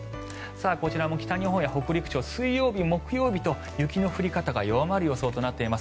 こちらも北日本や北陸地方水曜日、木曜日と雪の降り方が弱まる予想となっています。